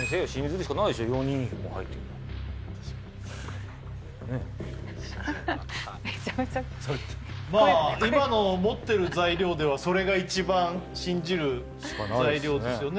メチャメチャまあ今の持ってる材料ではそれが一番信じる材料ですよね